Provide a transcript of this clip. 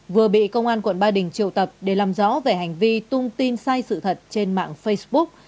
vừa bị công an quận ba đình triều tập để làm rõ về hành vi tung tin sai sự thật trên mạng facebook